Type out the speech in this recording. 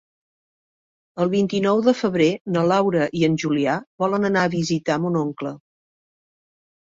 El vint-i-nou de febrer na Laura i en Julià volen anar a visitar mon oncle.